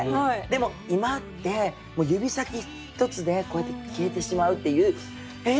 でも今って指先一つで消えてしまうっていう「え！